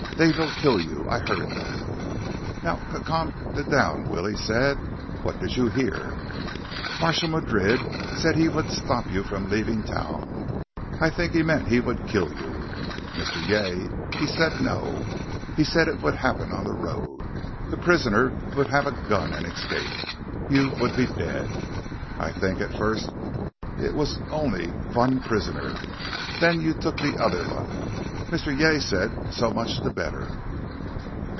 They vill kill you. I heard them." "Now just c calm d down," Willie said. "What did you hear?" "Marshal Madrid said he vould stop you from leaving town. I think he meant he vould kill you. Mr. Yay, he said no. He said it vould happen on the road. The prisoner vould have a gun and escape. You vould be dead, I think. At first, it vas only vun prisoner. Then you took the other vun. Mr. Yay said so much the better...."